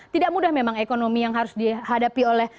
tidak mudah memang ekonomi yang harus dihadapi oleh